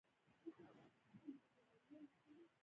سا چې سي